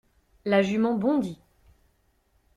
La jument bondit.